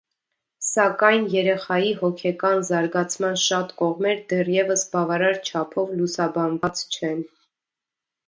Սակայն երեխայի հոգեկան զարգացման շատ կողմեր դեռևս բավարար չափով լուսաբանված չեն։